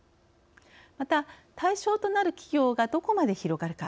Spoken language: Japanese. また、対象となる企業がどこまで広がるか。